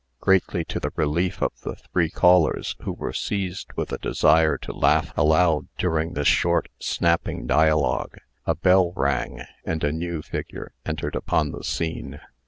Greatly to the relief of the three callers, who were seized with a desire to laugh aloud during this short, snapping dialogue, a bell rang, and a new figure entered upon the scene.